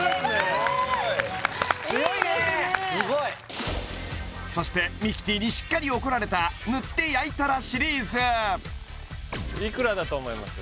すごいそしてミキティにしっかり怒られたぬって焼いたらシリーズいくらだと思います？